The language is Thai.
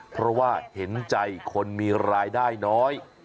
เพราะว่าเห็นใจคนมีรายได้น้อย